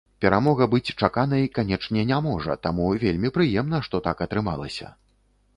Перамога быць чаканай, канечне, не можа, таму вельмі прыемна, што так атрымалася.